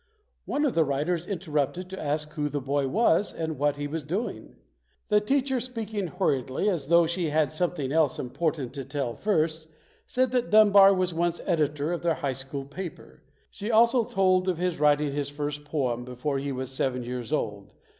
One of the writers interrupted to ask who the boy was and what he was doing. The teacher, speak ing hurriedly as though she had something else important to tell first, said that Dunbar was once editor of their high school paper. She also told of his writing his first poem before he was seven years old.